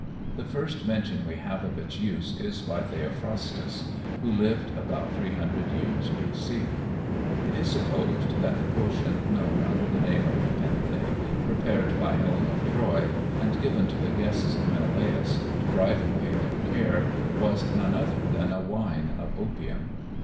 The first mention we have of its use is by Theophrastus, who lived about 300 years B.C. It is supposed that the potion known under the name of Nepenthe, prepared by Helen of Troy, and given to the guests of Menelaus, to drive away their care, was none other than a wine of opium.